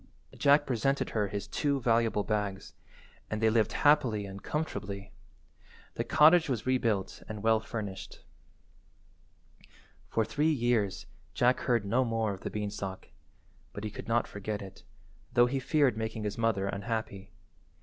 Jack presented her his two valuable bags, and they lived happy and comfortably. The cottage was rebuilt and well furnished. For three years Jack heard no more of the beanstalk, but he could not forget it, though he feared making his mother unhappy.